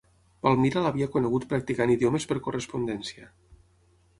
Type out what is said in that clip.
Palmira l'havia conegut practicant idiomes per correspondència.